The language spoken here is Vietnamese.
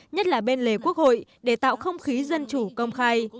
nhất là bên lề quốc hội để tạo không khí dân chủ công khai